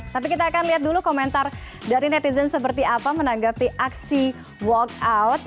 tapi kita akan lihat dulu komentar dari netizen seperti apa menanggapi aksi walkout